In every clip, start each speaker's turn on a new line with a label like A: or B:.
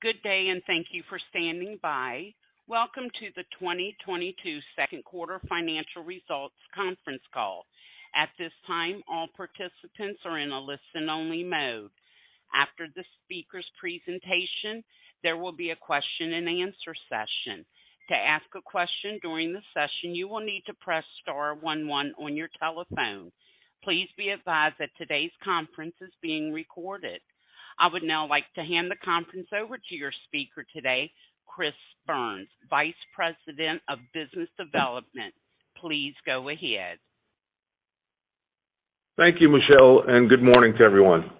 A: Good day, and thank you for standing by. Welcome to the 2022 second quarter financial results conference call. At this time, all participants are in a listen-only mode. After the speaker's presentation, there will be a question and answer session. To ask a question during the session, you will need to press star one one on your telephone. Please be advised that today's conference is being recorded. I would now like to hand the conference over to your speaker today, Chris Byrnes, Vice President of Business Development. Please go ahead.
B: Thank you, Michelle, and good morning to everyone.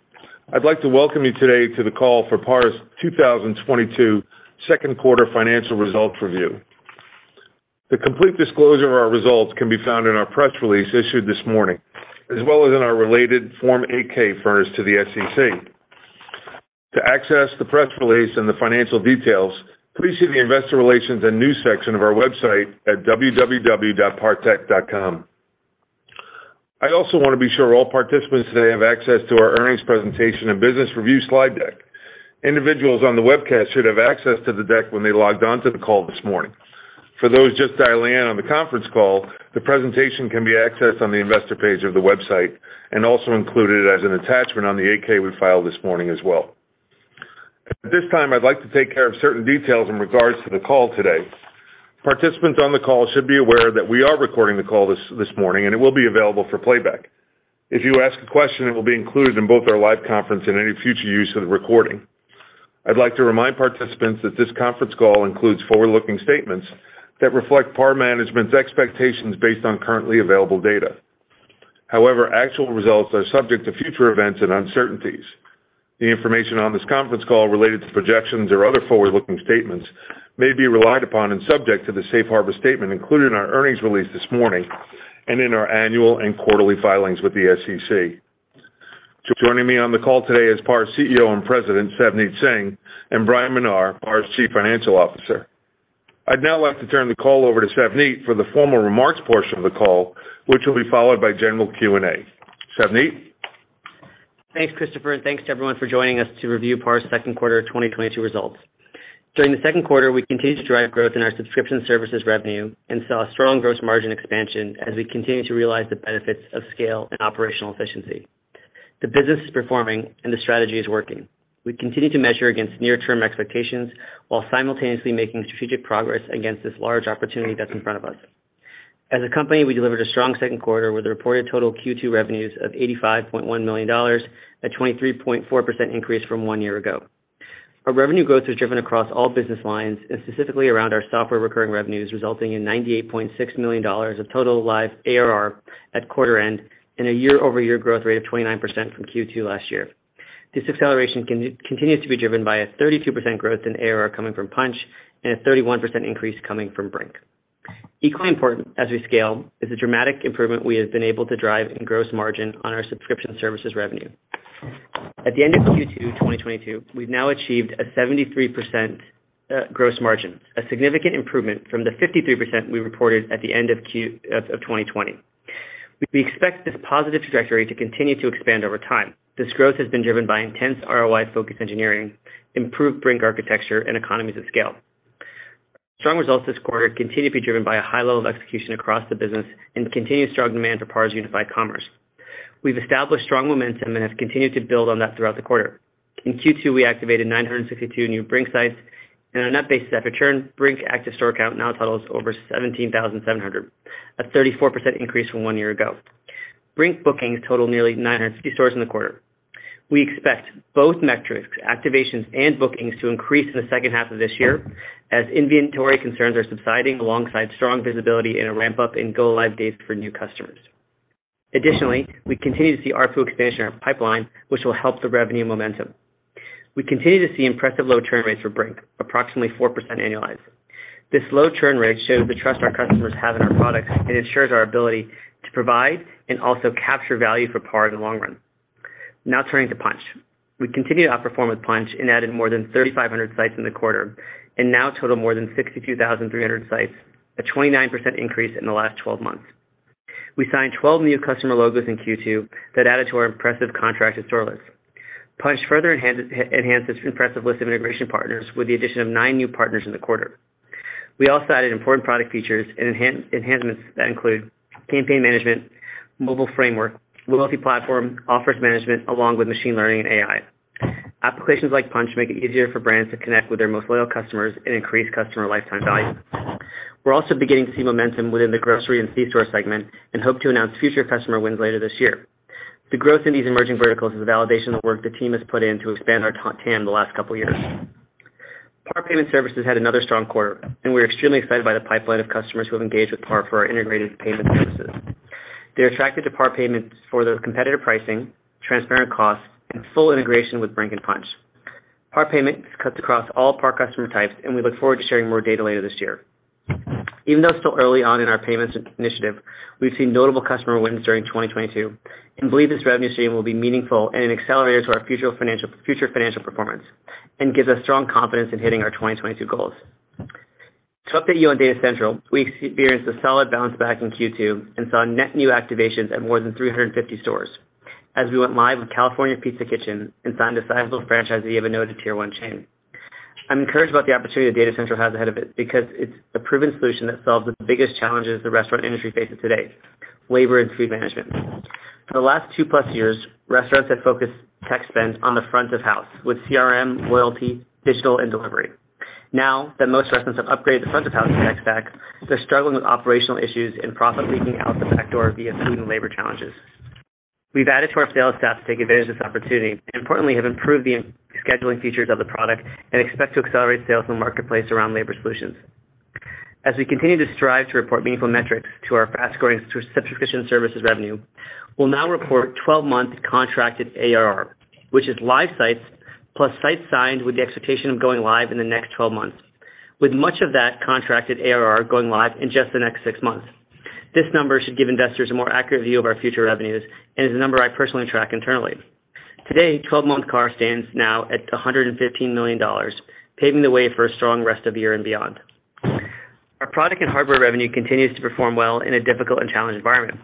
B: I'd like to welcome you today to the call for PAR's 2022 second quarter financial results review. The complete disclosure of our results can be found in our press release issued this morning, as well as in our related Form 8-K furnished to the SEC. To access the press release and the financial details, please see the Investor Relations and News section of our website at www.partech.com. I also want to be sure all participants today have access to our earnings presentation and business review slide deck. Individuals on the webcast should have access to the deck when they logged on to the call this morning. For those just dialing in on the conference call, the presentation can be accessed on the investor page of the website and also included as an attachment on the 8-K we filed this morning as well. At this time, I'd like to take care of certain details in regards to the call today. Participants on the call should be aware that we are recording the call this morning and it will be available for playback. If you ask a question, it will be included in both our live conference and any future use of the recording. I'd like to remind participants that this conference call includes forward-looking statements that reflect PAR management's expectations based on currently available data. However, actual results are subject to future events and uncertainties. The information on this conference call related to projections or other forward-looking statements may be relied upon and subject to the safe harbor statement included in our earnings release this morning and in our annual and quarterly filings with the SEC. Joining me on the call today is PAR's CEO and President, Savneet Singh, and Bryan Menar, PAR's Chief Financial Officer. I'd now like to turn the call over to Savneet for the formal remarks portion of the call, which will be followed by general Q&A. Savneet?
C: Thanks, Christopher, and thanks to everyone for joining us to review PAR's second quarter 2022 results. During the second quarter, we continued to drive growth in our subscription services revenue and saw a strong gross margin expansion as we continue to realize the benefits of scale and operational efficiency. The business is performing and the strategy is working. We continue to measure against near-term expectations while simultaneously making strategic progress against this large opportunity that's in front of us. As a company, we delivered a strong second quarter with a reported total Q2 revenues of $85.1 million, a 23.4% increase from one year ago. Our revenue growth was driven across all business lines and specifically around our software recurring revenues, resulting in $98.6 million of total live ARR at quarter end and a year-over-year growth rate of 29% from Q2 last year. This acceleration continues to be driven by a 32% growth in ARR coming from Punchh and a 31% increase coming from Brink. Equally important, as we scale, is the dramatic improvement we have been able to drive in gross margin on our subscription services revenue. At thw end of Q2 2022, we've now achieved a 73% gross margin, a significant improvement from the 53% we reported at the end of Q2 of 2020. We expect this positive trajectory to continue to expand over time. This growth has been driven by intense ROI-focused engineering, improved Brink architecture, and economies of scale. Strong results this quarter continue to be driven by a high level of execution across the business and continued strong demand for PAR's unified commerce. We've established strong momentum and have continued to build on that throughout the quarter. In Q2, we activated 962 new Brink sites, and on a net basis after churn, Brink active store count now totals over 17,700, a 34% increase from one year ago. Brink bookings total nearly 950 stores in the quarter. We expect both metrics, activations and bookings, to increase in the second half of this year as inventory concerns are subsiding alongside strong visibility in a ramp up in go live dates for new customers. Additionally, we continue to see ARPU expansion in our pipeline, which will help the revenue momentum. We continue to see impressive low churn rates for Brink, approximately 4% annualized. This low churn rate shows the trust our customers have in our products and ensures our ability to provide and also capture value for PAR in the long run. Now turning to Punchh. We continue to outperform with Punchh and added more than 3,500 sites in the quarter and now total more than 62,300 sites, a 29% increase in the last twelve months. We signed 12 new customer logos in Q2 that added to our impressive contracted store list. Punchh further enhanced its impressive list of integration partners with the addition of nine new partners in the quarter. We also added important product features and enhancements that include campaign management, mobile framework, multi-platform offers management, along with machine learning and AI. Applications like Punchh make it easier for brands to connect with their most loyal customers and increase customer lifetime value. We're also beginning to see momentum within the grocery and C-store segment and hope to announce future customer wins later this year. The growth in these emerging verticals is a validation of the work the team has put in to expand our TAM the last couple years. PAR Payment Services had another strong quarter, and we're extremely excited by the pipeline of customers who have engaged with PAR for our integrated payment services. They're attracted to PAR Payments for their competitive pricing, transparent costs, and full integration with Brink and Punchh. PAR Payments cuts across all PAR customer types, and we look forward to sharing more data later this year. Even though it's still early on in our payments initiative, we've seen notable customer wins during 2022 and believe this revenue stream will be meaningful and an accelerator to our future financial performance and gives us strong confidence in hitting our 2022 goals. To update you on Data Central, we experienced a solid bounce back in Q2 and saw net new activations at more than 350 stores as we went live with California Pizza Kitchen and signed a sizable franchisee of a noted tier one chain. I'm encouraged about the opportunity that Data Central has ahead of it because it's a proven solution that solves the biggest challenges the restaurant industry faces today, labor and food management. For the last 2+ years, restaurants have focused tech spend on the front of house with CRM, loyalty, digital, and delivery. Now that most restaurants have upgraded the front of house tech stack, they're struggling with operational issues and profit leaking out the back door via food and labor challenges. We've added to our sales staff to take advantage of this opportunity, and importantly, have improved the scheduling features of the product and expect to accelerate sales in the marketplace around labor solutions. As we continue to strive to report meaningful metrics to our fast-growing subscription services revenue, we'll now report 12-month contracted ARR, which is live sites plus sites signed with the expectation of going live in the next 12 months, with much of that contracted ARR going live in just the next six months. This number should give investors a more accurate view of our future revenues, and is a number I personally track internally. Today, 12-month CARR stands now at $115 million, paving the way for a strong rest of the year and beyond. Our product and hardware revenue continues to perform well in a difficult and challenged environment.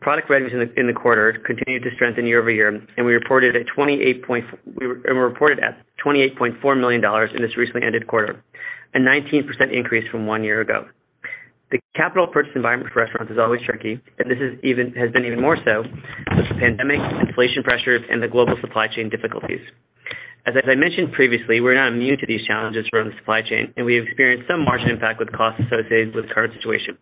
C: Product revenues in the quarter continued to strengthen year-over-year, and we reported $28.4 million in this recently ended quarter, a 19% increase from one year ago. The capital purchase environment for restaurants is always tricky, and this has been even more so with the pandemic, inflation pressures, and the global supply chain difficulties. As I mentioned previously, we're not immune to these challenges around the supply chain, and we have experienced some margin impact with costs associated with the current situation.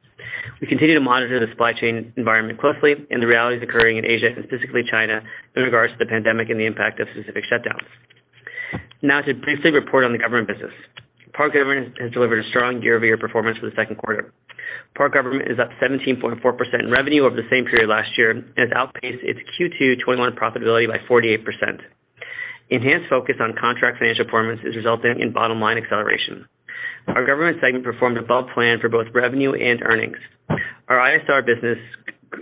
C: We continue to monitor the supply chain environment closely and the realities occurring in Asia, and specifically China, in regards to the pandemic and the impact of specific shutdowns. Now to briefly report on the government business. PAR Government has delivered a strong year-over-year performance for the second quarter. PAR Government is up 17.4% in revenue over the same period last year and has outpaced its Q2 2021 profitability by 48%. Enhanced focus on contract financial performance is resulting in bottom-line acceleration. Our government segment performed above plan for both revenue and earnings. Our ISR business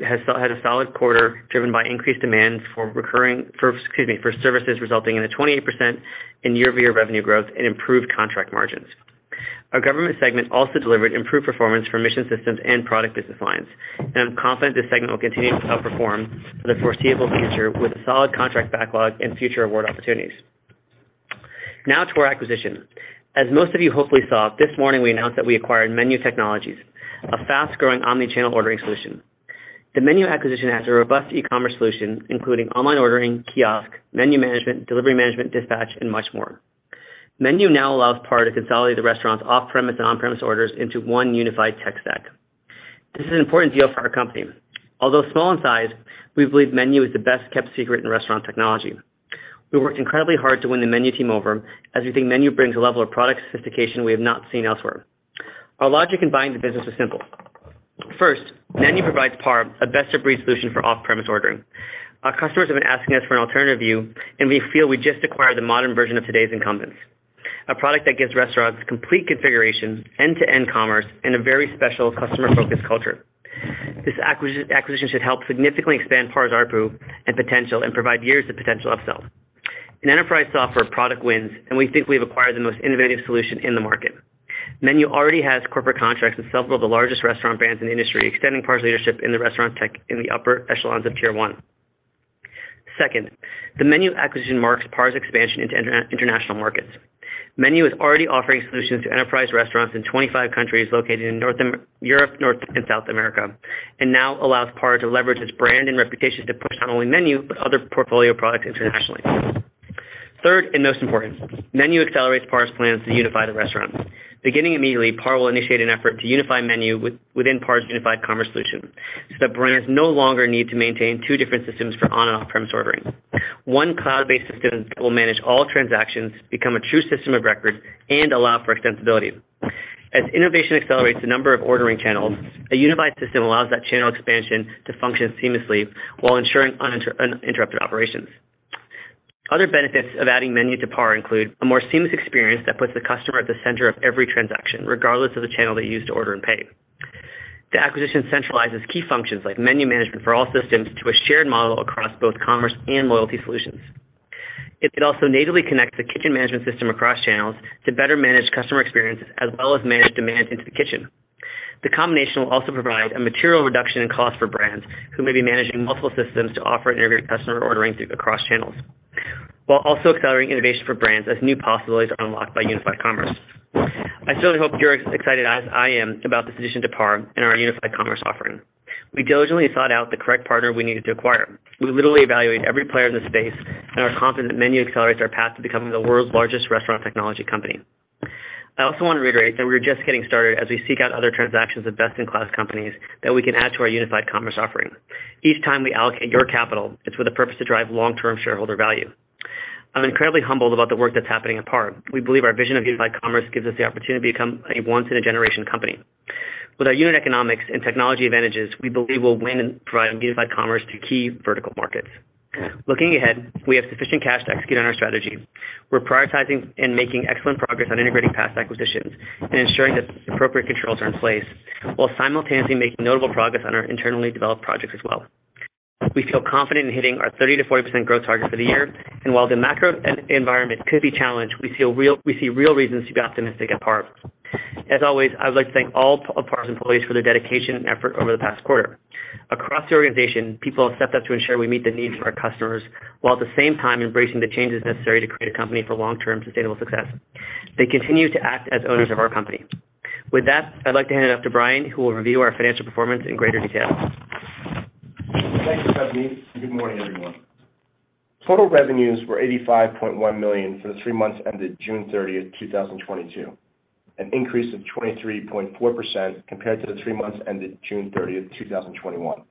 C: had a solid quarter driven by increased demands for recurring services resulting in a 28% year-over-year revenue growth and improved contract margins. Our government segment also delivered improved performance for mission systems and product business lines, and I'm confident this segment will continue to outperform for the foreseeable future with a solid contract backlog and future award opportunities. Now to our acquisition. As most of you hopefully saw, this morning we announced that we acquired MENU Technologies, a fast-growing omnichannel ordering solution. The MENU acquisition adds a robust e-commerce solution, including online ordering, kiosk, menu management, delivery management, dispatch, and much more. MENU now allows PAR to consolidate the restaurant's off-premise and on-premise orders into one unified tech stack. This is an important deal for our company. Although small in size, we believe MENU is the best-kept secret in restaurant technology. We worked incredibly hard to win the MENU team over, as we think MENU brings a level of product sophistication we have not seen elsewhere. Our logic in buying the business is simple. First, MENU provides PAR a best-of-breed solution for off-premise ordering. Our customers have been asking us for an alternative view, and we feel we just acquired the modern version of today's incumbents. A product that gives restaurants complete configuration, end-to-end commerce, and a very special customer-focused culture. This acquisition should help significantly expand PAR's ARPU and potential and provide years of potential upsells. In enterprise software, product wins, and we think we've acquired the most innovative solution in the market. MENU already has corporate contracts with several of the largest restaurant brands in the industry, extending PAR's leadership in the restaurant tech in the upper echelons of tier one. Second, the MENU acquisition marks PAR's expansion into international markets. MENU is already offering solutions to enterprise restaurants in 25 countries located in Europe, North and South America, and now allows PAR to leverage its brand and reputation to push not only MENU, but other portfolio products internationally. Third, and most important, MENU accelerates PAR's plans to unify the restaurant. Beginning immediately, PAR will initiate an effort to unify MENU within PAR's unified commerce solution, so that brands no longer need to maintain two different systems for on and off-premise ordering. One cloud-based system will manage all transactions, become a true system of record, and allow for extensibility. As innovation accelerates the number of ordering channels, a unified system allows that channel expansion to function seamlessly while ensuring uninterrupted operations. Other benefits of adding MENU to PAR include a more seamless experience that puts the customer at the center of every transaction, regardless of the channel they use to order and pay. The acquisition centralizes key functions like menu management for all systems to a shared model across both commerce and loyalty solutions. It could also natively connect the kitchen management system across channels to better manage customer experiences as well as manage demand into the kitchen. The combination will also provide a material reduction in cost for brands who may be managing multiple systems to offer integrated customer ordering through across channels, while also accelerating innovation for brands as new possibilities are unlocked by unified commerce. I certainly hope you're as excited as I am about this addition to PAR and our unified commerce offering. We diligently sought out the correct partner we needed to acquire. We literally evaluate every player in this space, and are confident that MENU accelerates our path to becoming the world's largest restaurant technology company. I also want to reiterate that we are just getting started as we seek out other transactions with best-in-class companies that we can add to our unified commerce offering. Each time we allocate your capital, it's with a purpose to drive long-term shareholder value. I'm incredibly humbled about the work that's happening at PAR. We believe our vision of unified commerce gives us the opportunity to become a once-in-a-generation company. With our unit economics and technology advantages, we believe we'll win and provide unified commerce to key vertical markets. Looking ahead, we have sufficient cash to execute on our strategy. We're prioritizing and making excellent progress on integrating past acquisitions and ensuring that appropriate controls are in place, while simultaneously making notable progress on our internally developed projects as well. We feel confident in hitting our 30%-40% growth target for the year, and while the macro environment could be challenged, we see real reasons to be optimistic at PAR. As always, I would like to thank all of PAR's employees for their dedication and effort over the past quarter. Across the organization, people have stepped up to ensure we meet the needs of our customers while at the same time embracing the changes necessary to create a company for long-term sustainable success. They continue to act as owners of our company. With that, I'd like to hand it off to Bryan Menar, who will review our financial performance in greater detail.
D: Thank you, Savneet, and good morning, everyone. Total revenues were $85.1 million for the three months ended June 30, 2022, an increase of 23.4% compared to the three months ended June 30, 2021,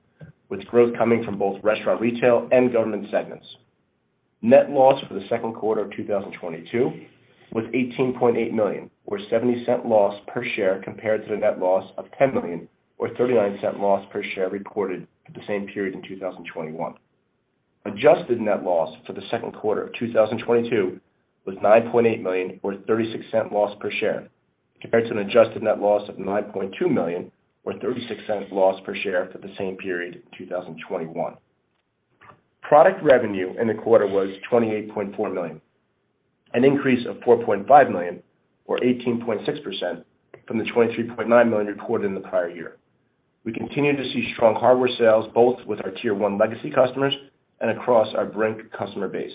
D: with growth coming from both restaurant, retail and government segments. Net loss for the second quarter of 2022 was $18.8 million or $0.70 loss per share compared to the net loss of $10 million or $0.39 loss per share reported for the same period in 2021. Adjusted net loss for the second quarter of 2022 was $9.8 million or $0.36 loss per share, compared to an adjusted net loss of $9.2 million or $0.36 loss per share for the same period in 2021. Product revenue in the quarter was $28.4 million, an increase of $4.5 million or 18.6% from the $23.9 million recorded in the prior year. We continue to see strong hardware sales, both with our tier one legacy customers and across our Brink customer base.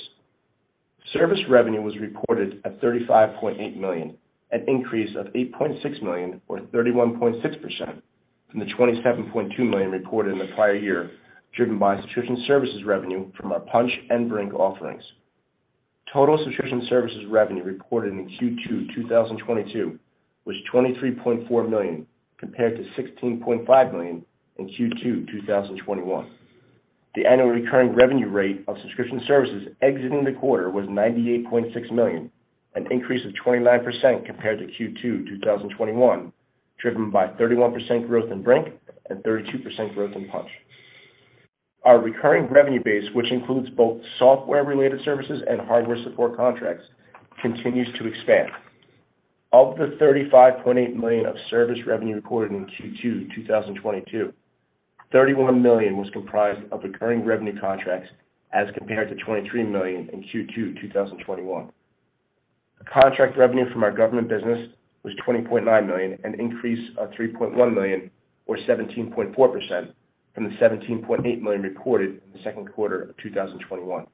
D: Service revenue was reported at $35.8 million, an increase of $8.6 million or 31.6% from the $27.2 million recorded in the prior year, driven by subscription services revenue from our Punchh and Brink offerings. Total subscription services revenue reported in Q2, 2022 was $23.4 million compared to $16.5 million in Q2, 2021. The annual recurring revenue rate of subscription services exiting the quarter was $98.6 million, an increase of 29% compared to Q2 2021, driven by 31% growth in Brink and 32% growth in Punchh. Our recurring revenue base, which includes both software related services and hardware support contracts, continues to expand. Of the $35.8 million of service revenue recorded in Q2 2022, $31 million was comprised of recurring revenue contracts as compared to $23 million in Q2 2021. The contract revenue from our government business was $20.9 million, an increase of $3.1 million or 17.4% from the $17.8 million recorded in the second quarter of 2021.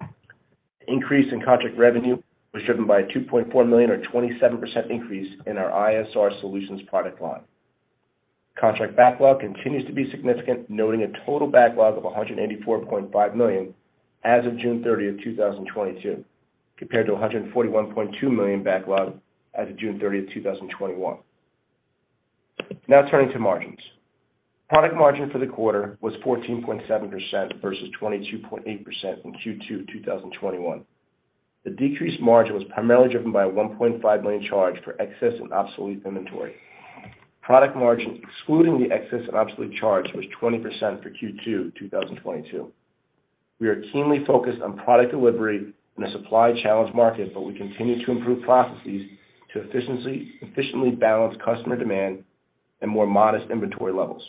D: The increase in contract revenue was driven by a $2.4 million or 27% increase in our ISR solutions product line. Contract backlog continues to be significant, noting a total backlog of $184.5 million as of June 30, 2022, compared to a $141.2 million backlog as of June 30, 2021. Now turning to margins. Product margin for the quarter was 14.7% versus 22.8% in Q2 2021. The decreased margin was primarily driven by a $1.5 million charge for excess and obsolete inventory. Product margin, excluding the excess and obsolete charge, was 20% for Q2 2022. We are keenly focused on product delivery in a supply challenged market, but we continue to improve processes to efficiently balance customer demand and more modest inventory levels.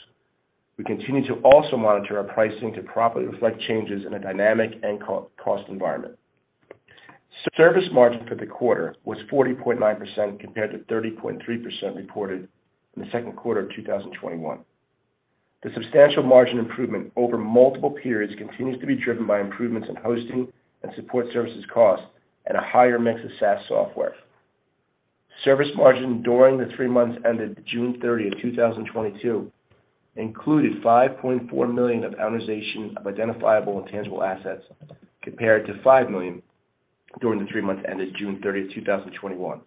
D: We continue to also monitor our pricing to properly reflect changes in a dynamic input cost environment. Service margin for the quarter was 40.9% compared to 30.3% reported in the second quarter of 2021. The substantial margin improvement over multiple periods continues to be driven by improvements in hosting and support services costs and a higher mix of SaaS software. Service margin during the three months ended June 30th, 2022 included $5.4 million of amortization of identifiable intangible assets, compared to $5 million during the three months ended June 30th, 2021.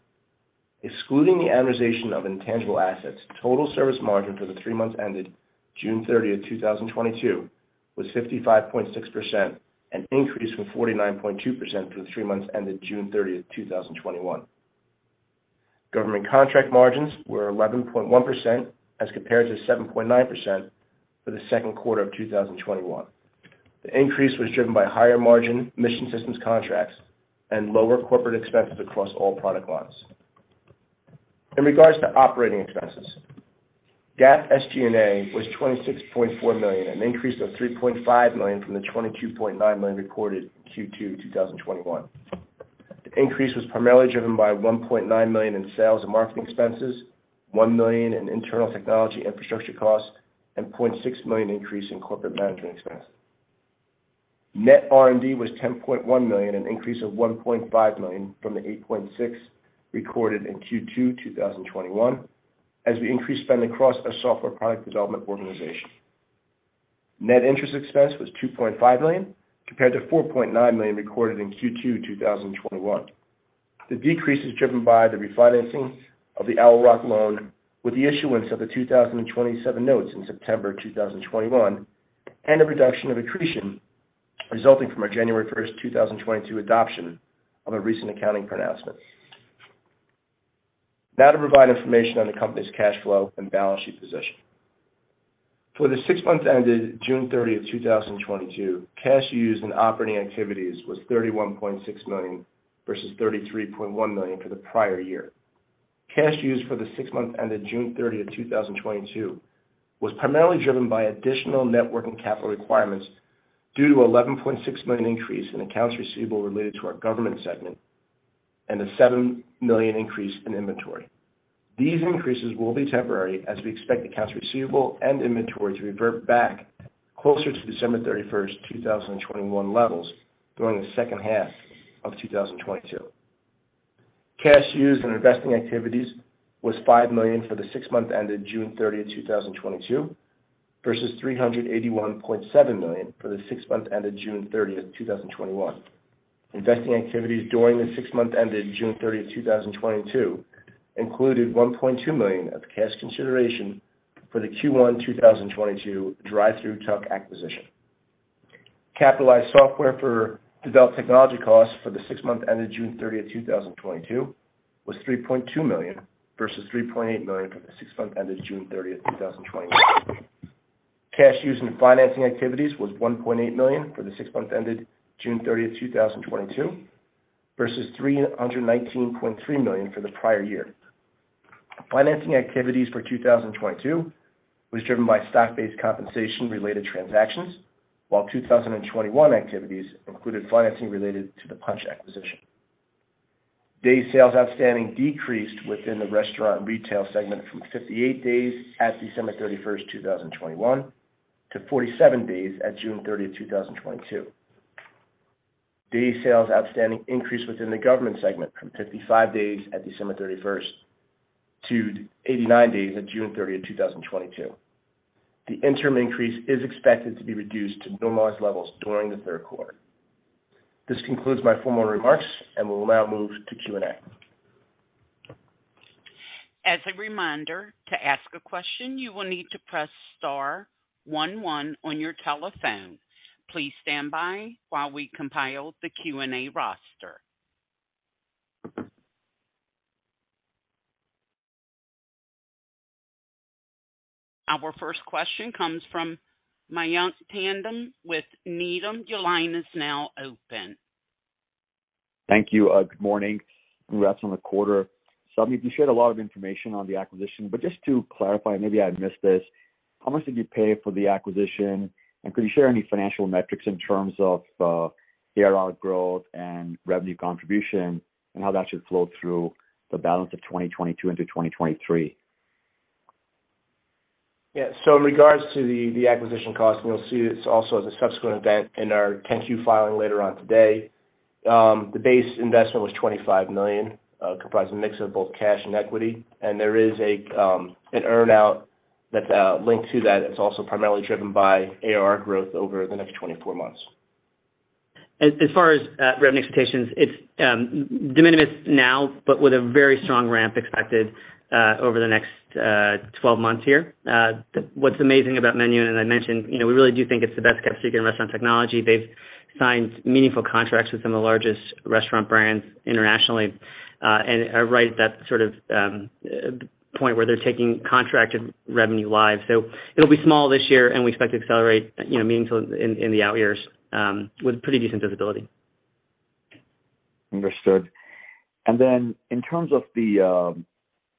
D: Excluding the amortization of intangible assets, total service margin for the three months ended June 30, 2022 was 55.6%, an increase from 49.2% for the three months ended June 30, 2021. Government contract margins were 11.1% as compared to 7.9% for the second quarter of 2021. The increase was driven by higher margin mission systems contracts and lower corporate expenses across all product lines. In regards to operating expenses, GAAP SG&A was $26.4 million, an increase of $3.5 million from the $22.9 million recorded in Q2 2021. The increase was primarily driven by $1.9 million in sales and marketing expenses, $1 million in internal technology infrastructure costs, and $0.6 million increase in corporate management expense. Net R&D was $10.1 million, an increase of $1.5 million from the $8.6 million recorded in Q2 2021, as we increased spend across our software product development organization. Net interest expense was $2.5 million, compared to $4.9 million recorded in Q2 2021. The decrease is driven by the refinancing of the Owl Rock loan with the issuance of the 2027 notes in September 2021, and a reduction of accretion resulting from our January 1, 2022 adoption of a recent accounting pronouncement. Now to provide information on the company's cash flow and balance sheet position. For the six months ended June 30, 2022, cash used in operating activities was $31.6 million versus $33.1 million for the prior year. Cash used in the six months ended June 30, 2022 was primarily driven by additional net working capital requirements due to $11.6 million increase in accounts receivable related to our government segment and a $7 million increase in inventory. These increases will be temporary as we expect accounts receivable and inventory to revert back closer to December 31, 2021 levels during the second half of 2022. Cash used in investing activities was $5 million for the six months ended June 30, 2022, versus $381.7 million for the six months ended June 30, 2021. Investing activities during the six months ended June 30, 2022 included $1.2 million of cash consideration for the Q1 2022 drive-thru tuck acquisition. Capitalized software for developed technology costs for the six months ended June 30, 2022 was $3.2 million versus $3.8 million for the six months ended June 30, 2021. Cash used in financing activities was $1.8 million for the six months ended June 30, 2022 versus $319.3 million for the prior year. Financing activities for 2022 was driven by stock-based compensation related transactions, while 2021 activities included financing related to the Punchh acquisition. Day sales outstanding decreased within the restaurant and retail segment from 58 days at December 31, 2021 to 47 days at June 30, 2022. Day sales outstanding increased within the government segment from 55 days at December 31 to 89 days at June 30, 2022. The interim increase is expected to be reduced to normalized levels during the third quarter. This concludes my formal remarks, and we'll now move to Q&A.
A: As a reminder, to ask a question, you will need to press star one one on your telephone. Please stand by while we compile the Q&A roster. Our first question comes from Mayank Tandon with Needham. Your line is now open.
E: Thank you. Good morning. Congrats on the quarter. Sav, you shared a lot of information on the acquisition, but just to clarify, maybe I missed this, how much did you pay for the acquisition? Could you share any financial metrics in terms of ARR growth and revenue contribution and how that should flow through the balance of 2022 into 2023?
D: Yeah. In regards to the acquisition cost, and you'll see this also as a subsequent event in our 10-Q filing later on today, the base investment was $25 million, comprising a mix of both cash and equity. There is an earn out that linked to that. It's also primarily driven by ARR growth over the next 24 months.
C: As far as revenue expectations, it's de minimis now, but with a very strong ramp expected over the next 12 months here. What's amazing about MENU, and I mentioned, you know, we really do think it's the best kept secret in restaurant technology. They've signed meaningful contracts with some of the largest restaurant brands internationally, and are right at that sort of point where they're taking contracted revenue live. It'll be small this year, and we expect to accelerate, you know, meaningfully in the out years with pretty decent visibility.
E: Understood. In terms of the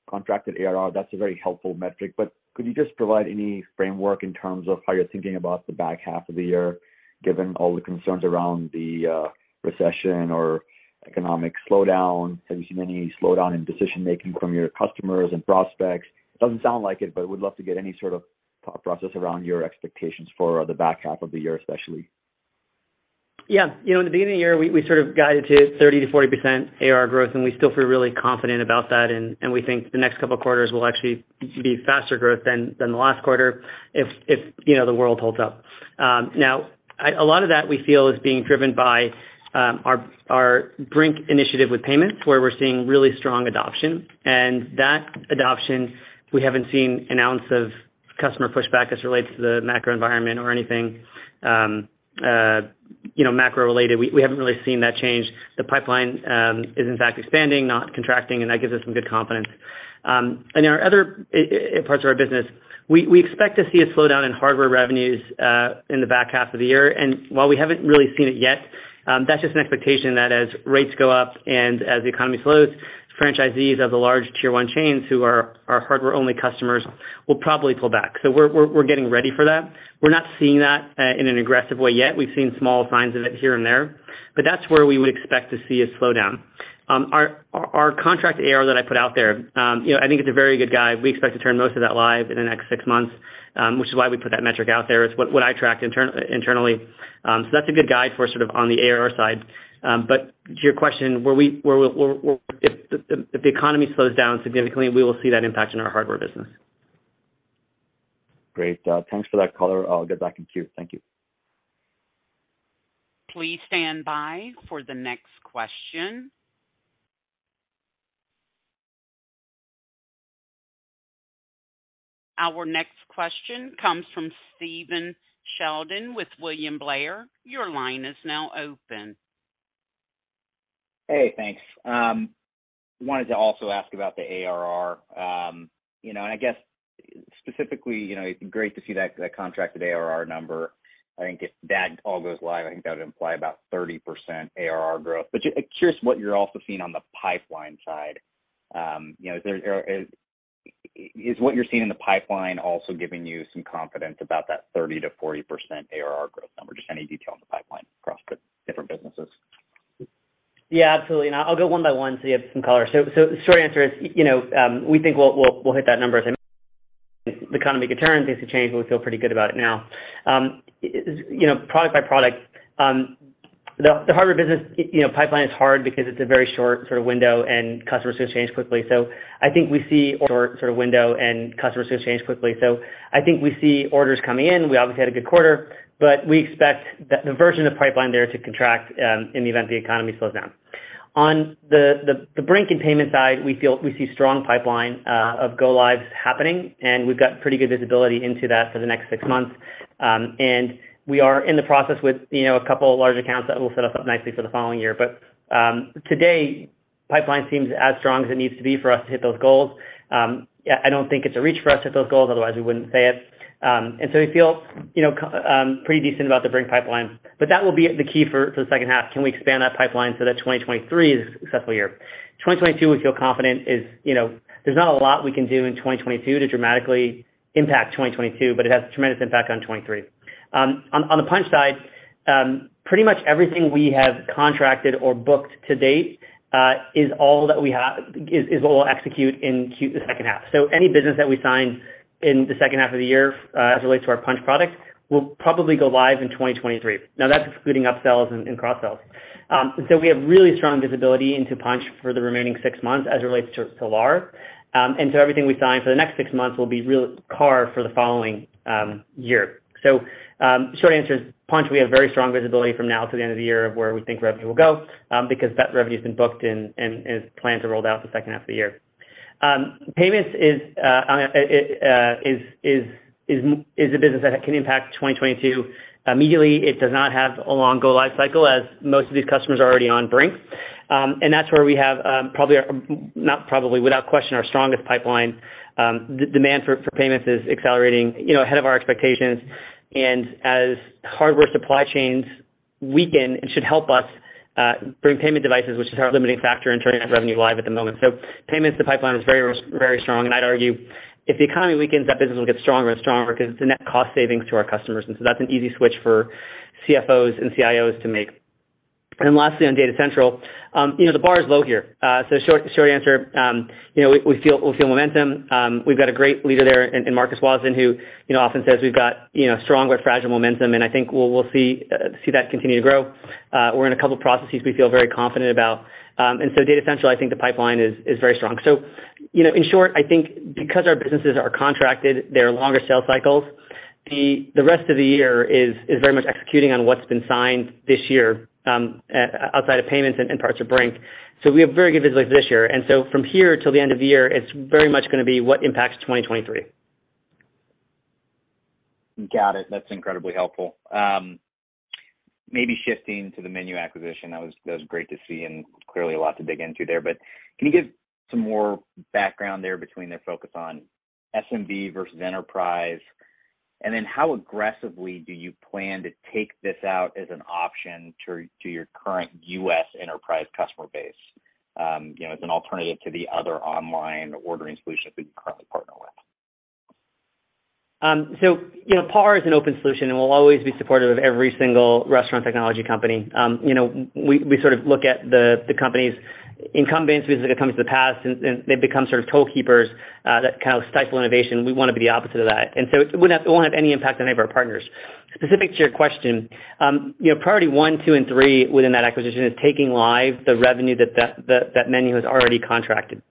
E: contracted ARR, that's a very helpful metric, but could you just provide any framework in terms of how you're thinking about the back half of the year, given all the concerns around the recession or economic slowdown? Have you seen any slowdown in decision-making from your customers and prospects? It doesn't sound like it, but we'd love to get any sort of thought process around your expectations for the back half of the year, especially.
C: Yeah. You know, in the beginning of the year, we sort of guided to 30%-40% ARR growth, and we still feel really confident about that, and we think the next couple of quarters will actually be faster growth than the last quarter if you know, the world holds up. Now a lot of that we feel is being driven by our Brink initiative with payments, where we're seeing really strong adoption. That adoption, we haven't seen an ounce of customer pushback as it relates to the macro environment or anything, you know, macro related. We haven't really seen that change. The pipeline is in fact expanding, not contracting, and that gives us some good confidence. Our other parts of our business, we expect to see a slowdown in hardware revenues in the back half of the year. While we haven't really seen it yet, that's just an expectation that as rates go up and as the economy slows, franchisees of the large tier one chains who are hardware only customers will probably pull back. We're getting ready for that. We're not seeing that in an aggressive way yet. We've seen small signs of it here and there, but that's where we would expect to see a slowdown. Our contract ARR that I put out there, you know, I think it's a very good guide. We expect to turn most of that live in the next six months, which is why we put that metric out there. It's what I track internally. That's a good guide for sort of on the ARR side. To your question, if the economy slows down significantly, we will see that impact in our hardware business.
E: Great. Thanks for that color. I'll get back in queue. Thank you.
A: Please stand by for the next question. Our next question comes from Stephen Sheldon with William Blair. Your line is now open.
F: Hey, thanks. Wanted to also ask about the ARR. You know, and I guess specifically, you know, great to see that contracted ARR number. I think if that all goes live, I think that would imply about 30% ARR growth. Just curious what you're also seeing on the pipeline side. You know, is what you're seeing in the pipeline also giving you some confidence about that 30%-40% ARR growth number? Just any detail on the pipeline across the different businesses.
C: Yeah, absolutely. I'll go one by one so you have some color. The short answer is, you know, we think we'll hit that number as the economy could turn, things could change, but we feel pretty good about it now. You know, product by product, the hardware business, you know, pipeline is hard because it's a very short sort of window and customers could change quickly. I think we see orders coming in. We obviously had a good quarter, but we expect that the volume of the pipeline there to contract in the event the economy slows down. On the Brink and payment side, we feel we see strong pipeline of go lives happening, and we've got pretty good visibility into that for the next six months. We are in the process with, you know, a couple of large accounts that will set us up nicely for the following year. Today, pipeline seems as strong as it needs to be for us to hit those goals. Yeah, I don't think it's a reach for us to hit those goals, otherwise we wouldn't say it. We feel, you know, pretty decent about the Brink pipeline. That will be the key for the second half. Can we expand that pipeline so that 2023 is a successful year? 2022, we feel confident is, you know, there's not a lot we can do in 2022 to dramatically impact 2022, but it has tremendous impact on 2023. On the Punchh side, pretty much everything we have contracted or booked to date is all that we have is what we'll execute in Q the second half. Any business that we sign in the second half of the year as it relates to our Punchh product will probably go live in 2023. Now, that's excluding upsells and cross sells. We have really strong visibility into Punchh for the remaining six months as it relates to ARR. Everything we sign for the next six months will be real CARR for the following year. Short answer is Punchh, we have very strong visibility from now to the end of the year of where we think revenue will go, because that revenue's been booked and plans are rolled out in the second half of the year. Payments is a business that can impact 2022 immediately. It does not have a long go live cycle as most of these customers are already on Brink. That's where we have probably our, not probably, without question, our strongest pipeline. The demand for payments is accelerating, you know, ahead of our expectations. As hardware supply chains weaken, it should help us bring payment devices, which is our limiting factor in turning that revenue live at the moment. Payments, the pipeline is very strong. I'd argue if the economy weakens, that business will get stronger and stronger because it's a net cost savings to our customers. That's an easy switch for CFOs and CIOs to make. Lastly, on Data Central, the bar is low here. Short answer, you know, we feel momentum. We've got a great leader there in Marcus Wasdin, who, you know, often says we've got, you know, strong but fragile momentum, and I think we'll see that continue to grow. We're in a couple of processes we feel very confident about. Data Central, I think the pipeline is very strong. In short, you know, I think because our businesses are contracted, there are longer sales cycles, the rest of the year is very much executing on what's been signed this year, outside of payments and parts of Brink. We have very good visibility for this year. From here till the end of the year, it's very much gonna be what impacts 2023.
F: Got it. That's incredibly helpful. Maybe shifting to the MENU acquisition. That was great to see and clearly a lot to dig into there. Can you give some more background there between their focus on SMB versus enterprise? How aggressively do you plan to take this out as an option to your current U.S. enterprise customer base, you know, as an alternative to the other online ordering solutions that you currently partner with?
C: You know, PAR is an open solution, and we'll always be supportive of every single restaurant technology company. You know, we sort of look at the companies. Incumbency is a company of the past and they become sort of toll keepers that kind of stifle innovation. We wanna be the opposite of that. It won't have any impact on any of our partners. Specific to your question, you know, priority one, two, and three within that acquisition is taking live the revenue that MENU has already contracted.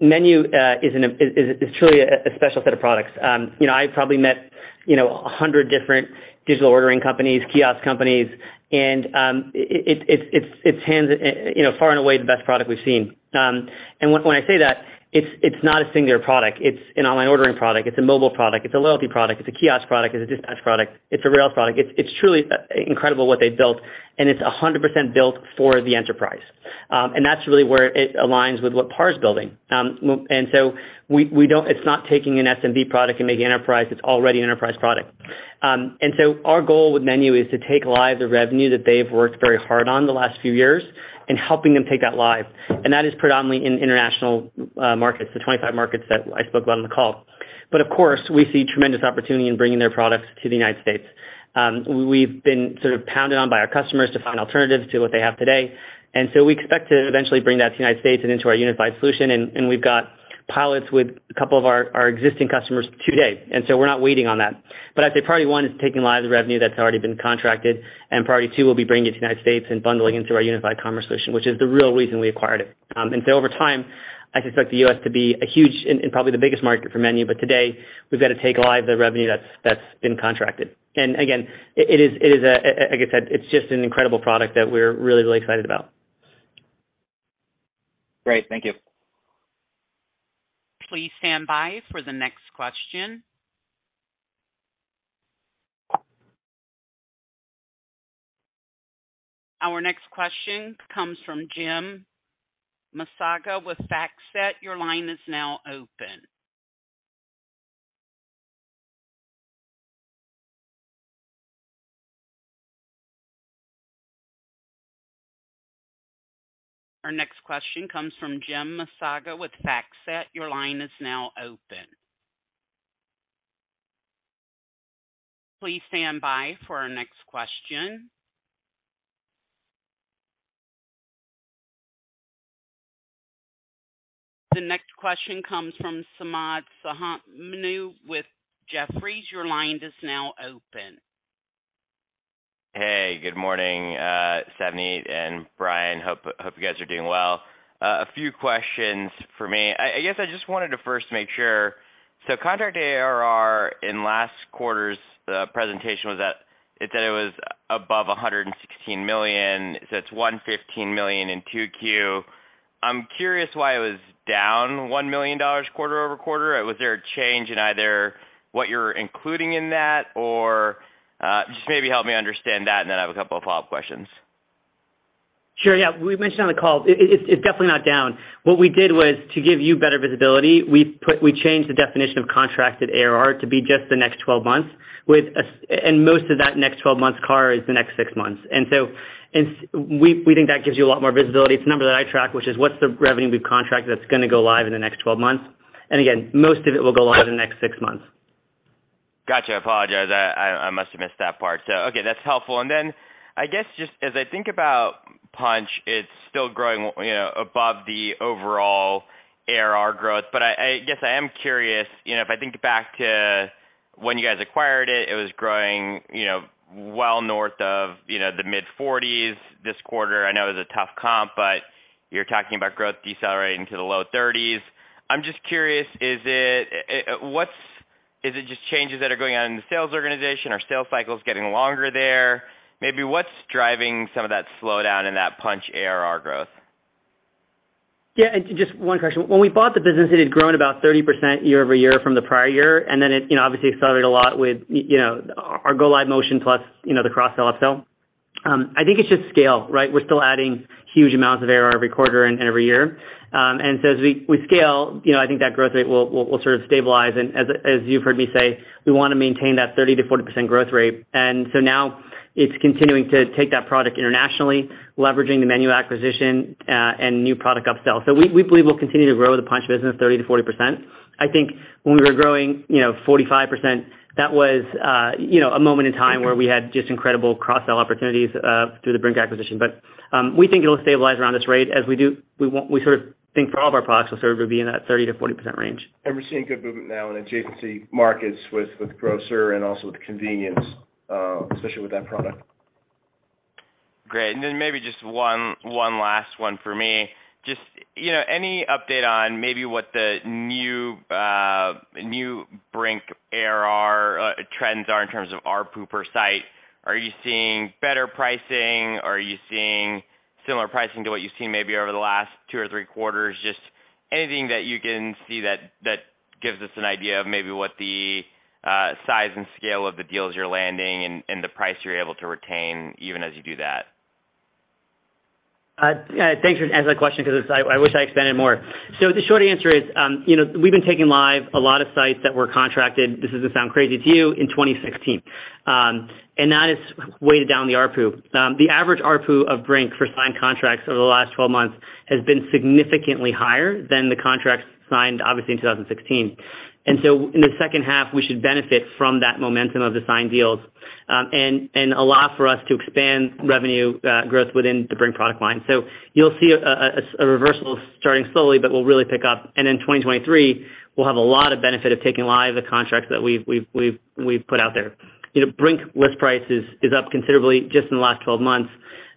C: MENU is truly a special set of products. You know, I've probably met, you know, 100 different digital ordering companies, kiosk companies, and it's hands far and away the best product we've seen. And when I say that, it's not a singular product. It's an online ordering product. It's a mobile product. It's a loyalty product. It's a kiosk product. It's a dispatch product. It's a rails product. It's truly incredible what they've built, and it's 100% built for the enterprise. And that's really where it aligns with what PAR is building. It's not taking an SMB product and making enterprise. It's already an enterprise product. And so our goal with MENU is to take live the revenue that they've worked very hard on the last few years and helping them take that live. That is predominantly in international markets, the 25 markets that I spoke about on the call. Of course, we see tremendous opportunity in bringing their products to the United States. We've been sort of pounded on by our customers to find alternatives to what they have today. We expect to eventually bring that to the United States and into our unified solution, and we've got pilots with a couple of our existing customers today. We're not waiting on that. I'd say priority one is taking live the revenue that's already been contracted, and priority two will be bringing it to the United States and bundling into our unified commerce solution, which is the real reason we acquired it. Over time, I suspect the U.S. to be a huge and probably the biggest market for MENU. Today, we've got to take live the revenue that's been contracted. Again, it is like I said, it's just an incredible product that we're really, really excited about.
F: Great. Thank you.
A: Please stand by for the next question. Our next question comes from Jim Masago with FactSet. Your line is now open. Please stand by for our next question. The next question comes from Samad Samana with Jefferies. Your line is now open.
G: Hey, good morning, Savneet and Bryan. Hope you guys are doing well. A few questions for me. I guess I just wanted to first make sure. Contract ARR in last quarter's presentation was above $116 million, so it's $115 million in 2Q. I'm curious why it was down $1 million quarter-over-quarter. Was there a change in either what you're including in that or just maybe help me understand that, and then I have a couple of follow-up questions.
C: Sure. Yeah. We mentioned on the call, it's definitely not down. What we did was to give you better visibility, we changed the definition of contracted ARR to be just the next 12 months. Most of that next 12 months CARR is the next six months. We think that gives you a lot more visibility. It's a number that I track, which is what's the revenue we've contracted that's gonna go live in the next 12 months. Again, most of it will go live in the next six months.
G: Gotcha. I apologize. I must have missed that part. Okay, that's helpful. Then I guess just as I think about Punchh, it's still growing, you know, above the overall ARR growth. I guess I am curious, you know, if I think back to when you guys acquired it was growing, you know, well north of the mid-40s%. This quarter, I know it was a tough comp, but you're talking about growth decelerating to the low 30s%. I'm just curious, is it just changes that are going on in the sales organization? Are sales cycles getting longer there? Maybe what's driving some of that slowdown in that Punchh ARR growth?
C: Yeah, just one question. When we bought the business, it had grown about 30% year-over-year from the prior year, and then it, you know, obviously accelerated a lot with, you know, our go live motion plus, you know, the cross-sell, upsell. I think it's just scale, right? We're still adding huge amounts of ARR every quarter and every year. As we scale, you know, I think that growth rate will sort of stabilize. As you've heard me say, we wanna maintain that 30%-40% growth rate. Now it's continuing to take that product internationally, leveraging the MENU acquisition, and new product upsell. We believe we'll continue to grow the Punchh business 30%-40%. I think when we were growing, you know, 45%, that was a moment in time where we had just incredible cross-sell opportunities through the Brink acquisition. We think it'll stabilize around this rate as we sort of think for all of our products will sort of be in that 30%-40% range.
H: We're seeing good movement now in adjacency markets with grocer and also with convenience, especially with that product.
G: Great. Then maybe just one last one for me. Just, you know, any update on maybe what the new Brink ARR trends are in terms of ARPU per site. Are you seeing better pricing? Are you seeing similar pricing to what you've seen maybe over the last two or three quarters? Just anything that you can see that gives us an idea of maybe what the size and scale of the deals you're landing and the price you're able to retain even as you do that.
C: Thanks for asking that question 'cause I wish I expanded more. The short answer is, you know, we've been taking live a lot of sites that were contracted, this doesn't sound crazy to you, in 2016. That has weighed down the ARPU. The average ARPU of Brink for signed contracts over the last 12 months has been significantly higher than the contracts signed obviously in 2016. In the second half, we should benefit from that momentum of the signed deals, and allow for us to expand revenue growth within the Brink product line. You'll see a reversal starting slowly, but will really pick up. In 2023, we'll have a lot of benefit of taking live the contracts that we've put out there. You know, Brink list price is up considerably just in the last 12 months.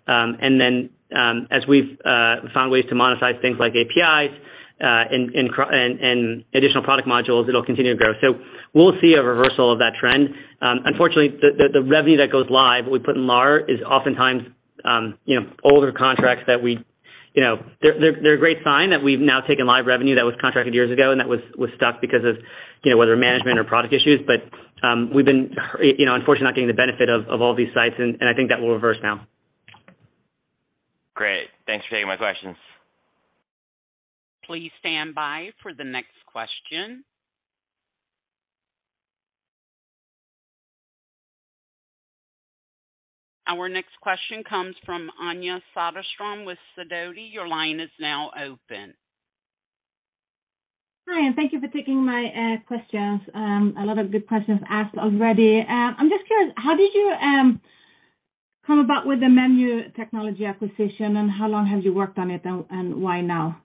C: As we've found ways to monetize things like APIs, and additional product modules, it'll continue to grow. We'll see a reversal of that trend. Unfortunately, the revenue that goes live, we put in ARR, is oftentimes, you know, older contracts that we. You know, they're a great sign that we've now taken live revenue that was contracted years ago and that was stuck because of, you know, whether management or product issues. We've been, you know, unfortunately not getting the benefit of all these sites, and I think that will reverse now.
G: Great. Thanks for taking my questions.
A: Please stand by for the next question. Our next question comes from Anja Soderstrom with Sidoti. Your line is now open.
I: Hi, thank you for taking my questions. A lot of good questions asked already. I'm just curious, how did you come about with the MENU Technologies AG acquisition, and how long have you worked on it, and why now?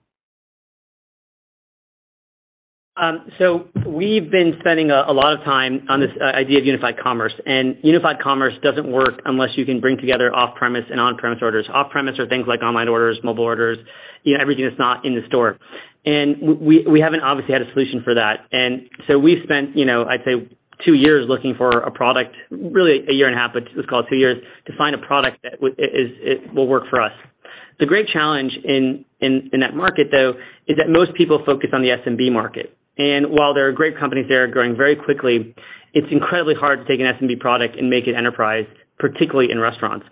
C: We've been spending a lot of time on this idea of unified commerce. Unified commerce doesn't work unless you can bring together off-premise and on-premise orders. Off-premise are things like online orders, mobile orders, you know, everything that's not in the store. We haven't obviously had a solution for that. We've spent, you know, I'd say two years looking for a product, really a year and a half, but let's call it two years, to find a product that will work for us. The great challenge in that market though is that most people focus on the SMB market. While there are great companies there growing very quickly, it's incredibly hard to take an SMB product and make it enterprise, particularly in restaurants.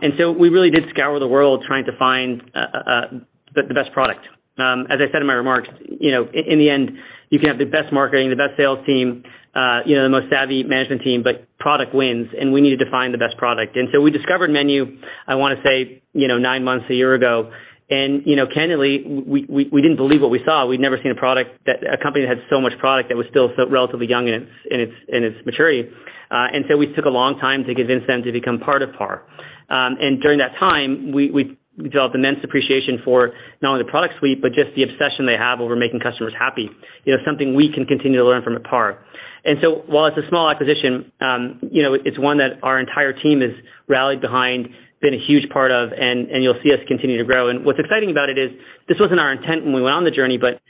C: We really did scour the world trying to find the best product. As I said in my remarks, you know, in the end, you can have the best marketing, the best sales team, you know, the most savvy management team, but product wins, and we needed to find the best product. We discovered MENU, I want to say, you know, nine months, a year ago. You know, candidly, we didn't believe what we saw. We'd never seen a product that a company that had so much product that was still so relatively young in its maturity. We took a long time to convince them to become part of PAR. During that time, we developed immense appreciation for not only the product suite, but just the obsession they have over making customers happy, you know, something we can continue to learn from at PAR. While it's a small acquisition, you know, it's one that our entire team has rallied behind, been a huge part of, and you'll see us continue to grow. What's exciting about it is this wasn't our intent when we went on the journey, but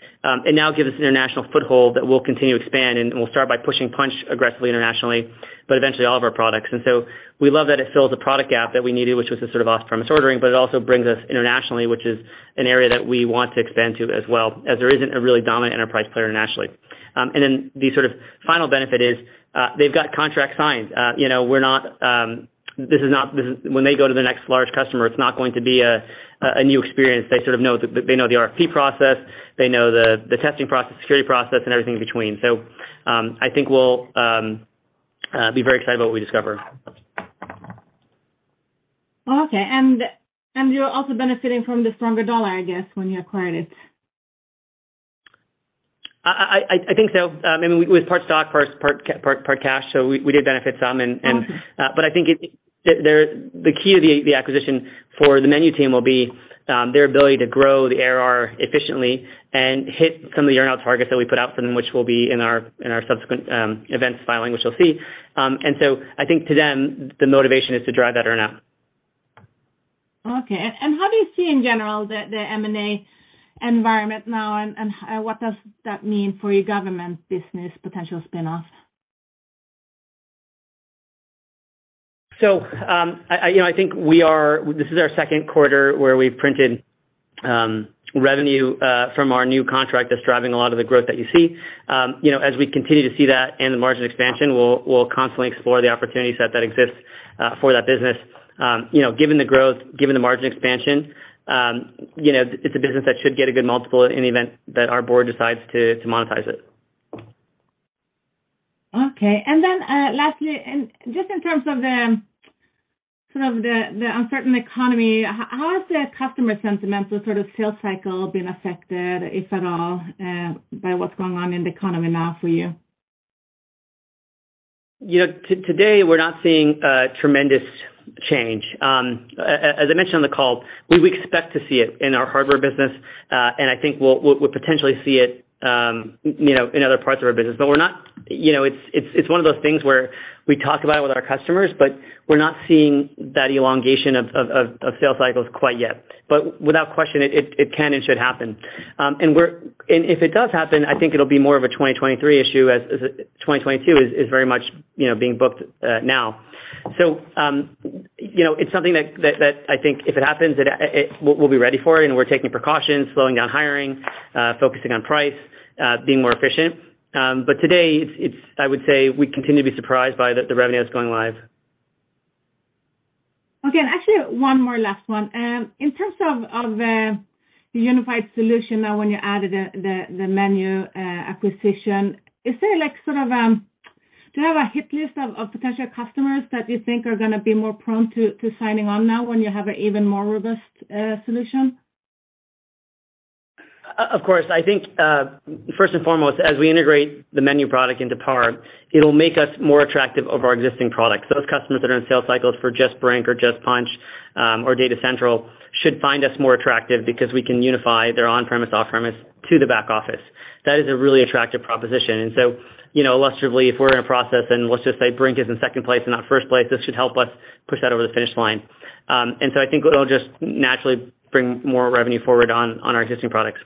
C: it now gives us an international foothold that we'll continue to expand, and we'll start by pushing Punchh aggressively internationally, but eventually all of our products. We love that it fills a product gap that we needed, which was to sort of off-premise ordering, but it also brings us internationally, which is an area that we want to expand to as well, as there isn't a really dominant enterprise player internationally. And then the sort of final benefit is, they've got contracts signed. You know, we're not, this is not a new experience. When they go to the next large customer, it's not going to be a new experience. They sort of know the RFP process, they know the testing process, security process, and everything in between. I think we'll be very excited about what we discover.
I: Okay. You're also benefiting from the stronger dollar, I guess, when you acquired it.
C: I think so. I mean, it was part stock for us, part cash, so we did benefit some and
I: Okay.
C: I think the key to the acquisition for the MENU team will be their ability to grow the ARR efficiently and hit some of the earn-out targets that we put out for them, which will be in our subsequent 8-K filing, which you'll see. I think to them, the motivation is to drive that earn-out.
I: Okay. How do you see in general the M&A environment now, and what does that mean for your government business potential spinoff?
C: You know, I think this is our second quarter where we've printed revenue from our new contract that's driving a lot of the growth that you see. You know, as we continue to see that and the margin expansion, we'll constantly explore the opportunity set that exists for that business. You know, given the growth, given the margin expansion, you know, it's a business that should get a good multiple in the event that our board decides to monetize it.
I: Okay. Lastly, and just in terms of the sort of uncertain economy, how is the customer sentiment, the sort of sales cycle been affected, if at all, by what's going on in the economy now for you?
C: You know, today, we're not seeing a tremendous change. As I mentioned on the call, we expect to see it in our hardware business, and I think we'll potentially see it, you know, in other parts of our business. We're not. You know, it's one of those things where we talk about it with our customers, but we're not seeing that elongation of sales cycles quite yet. Without question, it can and should happen. If it does happen, I think it'll be more of a 2023 issue as 2022 is very much, you know, being booked, now. You know, it's something that I think if it happens. We'll be ready for it, and we're taking precautions, slowing down hiring, focusing on price, being more efficient. Today I would say we continue to be surprised by the revenue that's going live.
I: Okay. Actually one more last one. In terms of the unified solution now when you added the MENU acquisition, is there like sort of do you have a hit list of potential customers that you think are gonna be more prone to signing on now when you have an even more robust solution?
C: Of course. I think first and foremost, as we integrate the MENU product into PAR, it'll make us more attractive over our existing products. Those customers that are in sales cycles for just Brink or just Punchh or Data Central should find us more attractive because we can unify their on-premise, off-premise to the back office. That is a really attractive proposition. You know, illustratively, if we're in a process, and let's just say Brink is in second place and not first place, this should help us push that over the finish line. I think it'll just naturally bring more revenue forward on our existing products.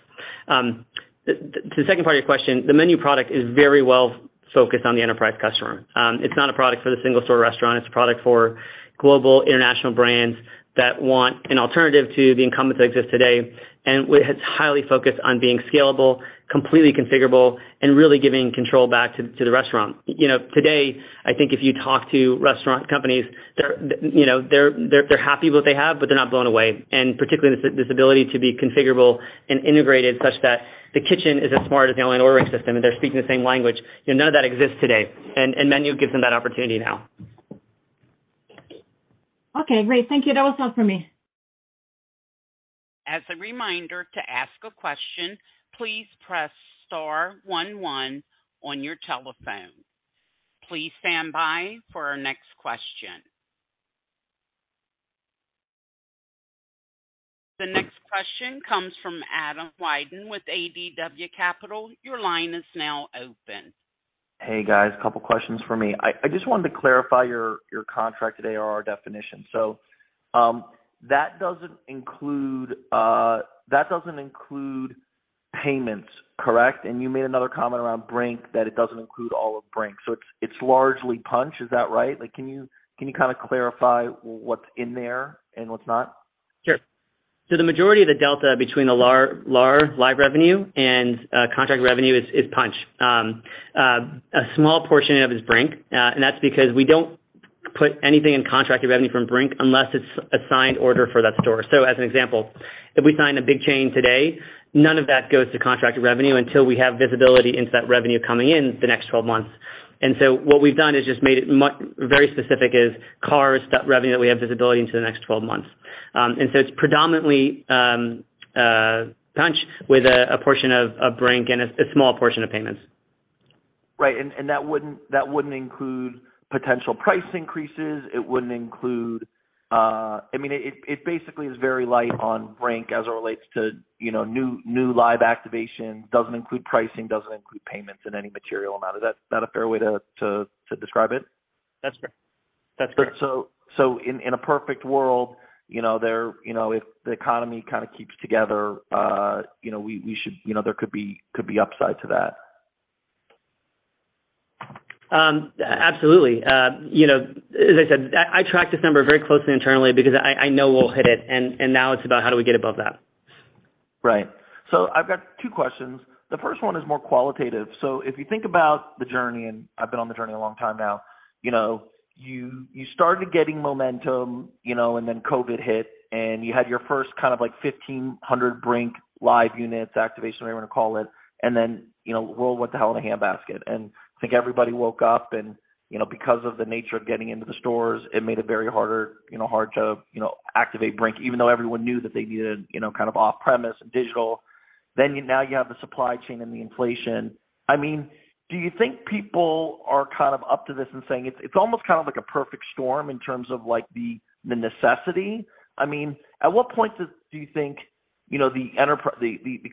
C: The second part of your question, the MENU product is very well focused on the enterprise customer. It's not a product for the single store restaurant, it's a product for global international brands that want an alternative to the incumbents that exist today. It's highly focused on being scalable, completely configurable, and really giving control back to the restaurant. You know, today, I think if you talk to restaurant companies, they're, you know, they're happy with what they have, but they're not blown away. Particularly this ability to be configurable and integrated such that the kitchen is as smart as the online ordering system, and they're speaking the same language. You know, none of that exists today, and MENU gives them that opportunity now.
I: Okay, great. Thank you. That was all for me.
A: As a reminder to ask a question, please press star one one on your telephone. Please stand by for our next question. The next question comes from Adam Wyden with ADW Capital. Your line is now open.
J: Hey, guys. A couple questions for me. I just wanted to clarify your contracted ARR definition. So, that doesn't include Payments, correct? And you made another comment around Brink that it doesn't include all of Brink. So it's largely Punchh. Is that right? Like, can you kinda clarify what's in there and what's not?
C: Sure. The majority of the delta between the ARR live revenue and contract revenue is Punchh. A small portion of it is Brink. That's because we don't put anything in contracted revenue from Brink unless it's a signed order for that store. As an example, if we sign a big chain today, none of that goes to contracted revenue until we have visibility into that revenue coming in the next 12 months. What we've done is just made it very specific. CARR is that revenue that we have visibility into the next 12 months. It's predominantly Punchh with a portion of Brink and a small portion of payments.
J: Right. That wouldn't include potential price increases. It wouldn't include. I mean, it basically is very light on Brink as it relates to, you know, new live activation. Doesn't include pricing, doesn't include payments in any material amount. Is that a fair way to describe it?
C: That's fair.
J: In a perfect world, you know, you know, if the economy kinda keeps together, you know, we should, you know, there could be upside to that.
C: Absolutely. You know, as I said, I track this number very closely internally because I know we'll hit it and now it's about how do we get above that.
J: Right. I've got two questions. The first one is more qualitative. If you think about the journey, and I've been on the journey a long time now, you know, you started getting momentum, you know, then COVID hit and you had your first kind of like 1,500 Brink live units, activation, whatever you wanna call it. Then, you know, world went to hell in a hand basket. I think everybody woke up and, you know, because of the nature of getting into the stores, it made it very harder, you know, hard to, you know, activate Brink even though everyone knew that they needed, you know, kind of off-premise and digital. Now you have the supply chain and the inflation. I mean, do you think people are kind of up to this and saying it's almost kind of like a perfect storm in terms of like the necessity. I mean, at what point do you think, you know, the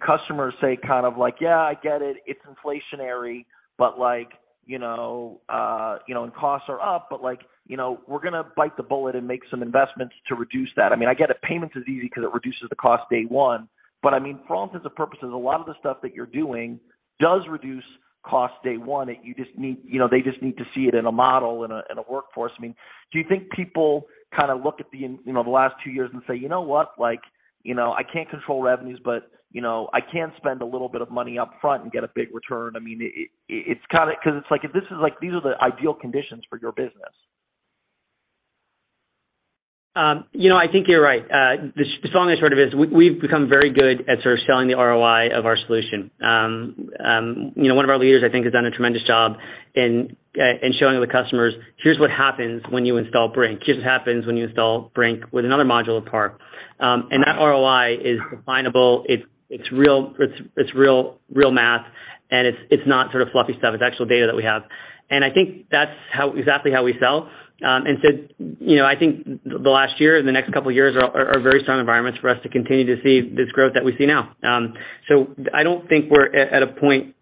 J: customers say kind of like, "Yeah, I get it's inflationary, but like, you know, and costs are up, but like, you know, we're gonna bite the bullet and make some investments to reduce that." I mean, I get it, payments is easy 'cause it reduces the cost day one. I mean, for all intents and purposes, a lot of the stuff that you're doing does reduce costs day one, you just need, you know, they just need to see it in a model, in a workforce. I mean, do you think people kinda look at the, you know, the last two years and say, "You know what? Like, you know, I can't control revenues, but, you know, I can spend a little bit of money up front and get a big return." I mean, it's kinda, 'cause it's like, this is like these are the ideal conditions for your business.
C: You know, I think you're right. The long and short of it is we've become very good at sort of selling the ROI of our solution. You know, one of our leaders I think has done a tremendous job in showing the customers, "Here's what happens when you install Brink. Here's what happens when you install Brink with another module of PAR." That ROI is definable. It's real math, and it's not sort of fluffy stuff, it's actual data that we have. I think that's exactly how we sell. You know, I think the last year and the next couple of years are very strong environments for us to continue to see this growth that we see now. I don't think we're at a point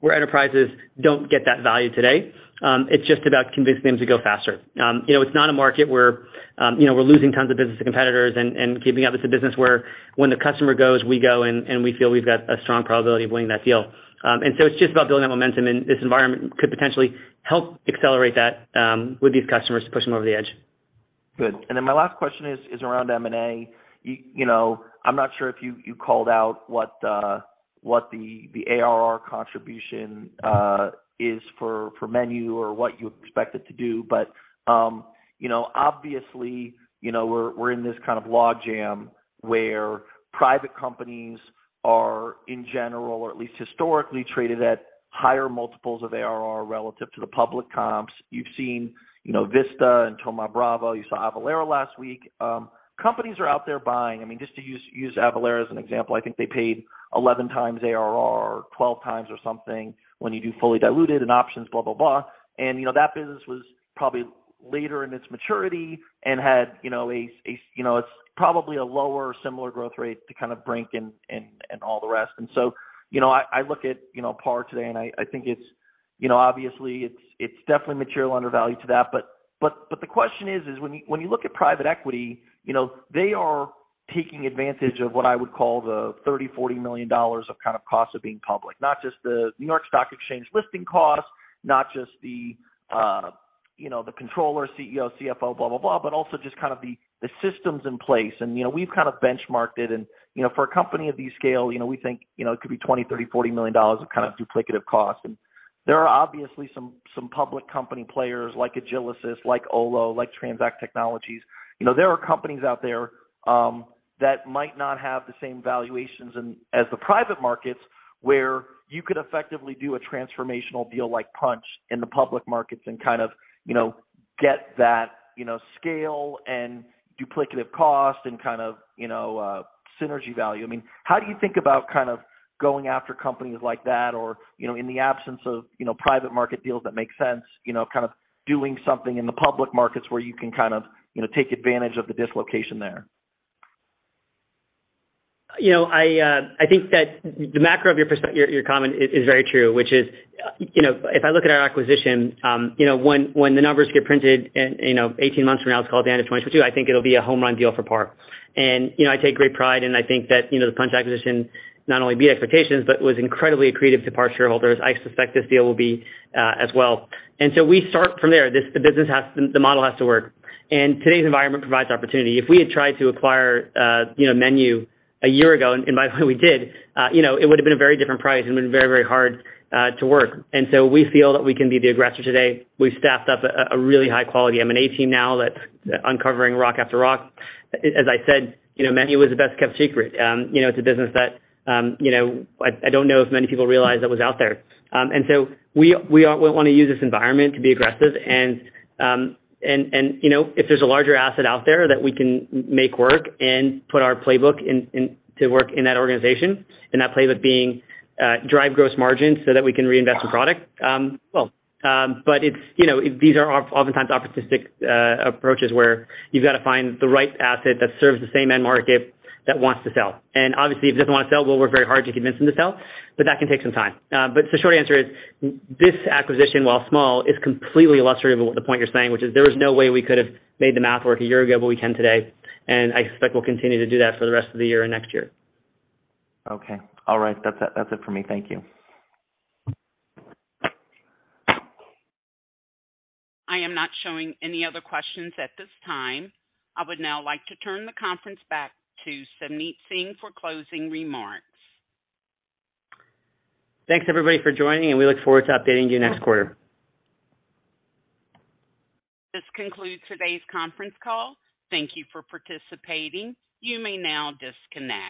C: where enterprises don't get that value today. It's just about convincing them to go faster. You know, it's not a market where you know, we're losing tons of business to competitors and giving up. It's a business where when the customer goes, we go and we feel we've got a strong probability of winning that deal. It's just about building that momentum, and this environment could potentially help accelerate that with these customers to push them over the edge.
J: Good. My last question is around M&A. You know, I'm not sure if you called out what the ARR contribution is for MENU or what you expect it to do. You know, obviously, you know, we're in this kind of logjam where private companies are in general or at least historically traded at higher multiples of ARR relative to the public comps. You've seen, you know, Vista and Thoma Bravo, you saw Avalara last week. Companies are out there buying. I mean, just to use Avalara as an example, I think they paid 11 times ARR or 12 times or something when you do fully diluted and options, blah, blah. You know, that business was probably later in its maturity and had, you know, a similar growth rate to kind of Brink and all the rest. You know, I look at, you know, PAR today and I think it's, you know, obviously it's definitely material undervalue to that. But the question is when you, when you look at private equity, you know, they are taking advantage of what I would call the $30 million-$40 million of kind of cost of being public. Not just the New York Stock Exchange listing cost, not just the, you know, the controller, CEO, CFO, blah, blah, but also just kind of the systems in place. You know, we've kind of benchmarked it and, you know, for a company of this scale, you know, we think, you know, it could be $20 million, $30 million, $40 million of kind of duplicative cost. There are obviously some public company players like Agilysys, like Olo, like TransAct Technologies. You know, there are companies out there, that might not have the same valuations in as the private markets, where you could effectively do a transformational deal like Punchh in the public markets and kind of, you know, get that, you know, scale and duplicative cost and kind of, you know, synergy value. I mean, how do you think about kind of going after companies like that or, you know, in the absence of, you know, private market deals that make sense, you know, kind of doing something in the public markets where you can kind of, you know, take advantage of the dislocation there?
C: You know, I think that the macro of your comment is very true, which is, you know, if I look at our acquisition, you know, when the numbers get printed and, you know, 18 months from now, let's call it the end of 2022, I think it'll be a home run deal for PAR. You know, I take great pride and I think that, you know, the Punchh acquisition not only beat expectations but was incredibly accretive to PAR shareholders. I suspect this deal will be as well. We start from there. The business has to. The model has to work. Today's environment provides opportunity. If we had tried to acquire, you know, MENU a year ago, and by the way we did, you know, it would've been a very different price and been very, very hard, to work. We feel that we can be the aggressor today. We've staffed up a really high quality M&A team now that's uncovering rock after rock. As I said, you know, MENU was the best kept secret. You know, it's a business that, you know, I don't know if many people realized that was out there. We want to use this environment to be aggressive and you know, if there's a larger asset out there that we can make work and put our playbook into work in that organization, and that playbook being drive gross margins so that we can reinvest in product. Well, but it's you know, these are oftentimes opportunistic approaches where you've gotta find the right asset that serves the same end market that wants to sell. Obviously, if it doesn't want to sell, we'll work very hard to convince them to sell, but that can take some time. The short answer is this acquisition, while small, is completely illustrative of what the point you're saying, which is there was no way we could have made the math work a year ago, but we can today, and I expect we'll continue to do that for the rest of the year and next year.
J: Okay. All right. That's it for me. Thank you.
A: I am not showing any other questions at this time. I would now like to turn the conference back to Savneet Singh for closing remarks.
C: Thanks everybody for joining, and we look forward to updating you next quarter.
A: This concludes today's conference call. Thank you for participating. You may now disconnect.